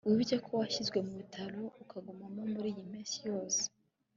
wibuke ko washyizwe mubitaro ukagumayo muriyi mpeshyi yose